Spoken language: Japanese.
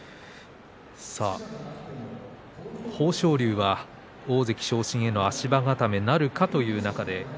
豊昇龍は大関昇進への足場固めなるかというところです。